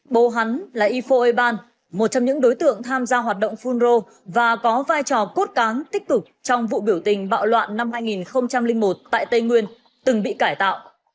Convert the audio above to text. bố hắn là ypho eban một trong những đối tượng tham gia hoạt động phun rô và có vai trò cốt cán tích cực trong vụ biểu tình bạo loạn năm hai nghìn một tại tây nguyên từng bị cải tạo